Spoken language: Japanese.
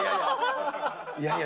いやいや。